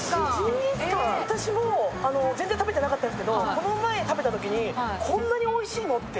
私も、全然食べてなかったんですけどこの前食べたときにこんなにおいしの？って。